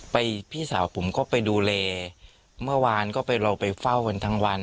พี่สาวผมก็ไปดูแลเมื่อวานก็ไปเราไปเฝ้ากันทั้งวัน